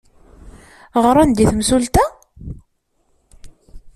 Ɣran-d i temsulta?